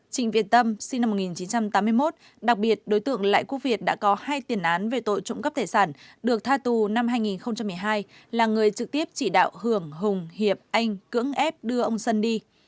trịnh việt tâm sinh năm một nghìn chín trăm tám mươi một đặc biệt đối tượng lại quốc việt đã có hai tiền án về tội trộm cắp tài sản được tha tù năm hai nghìn một mươi hai là người trực tiếp chỉ đạo hưởng hùng hiệp anh cưỡng ép đưa ông dân đi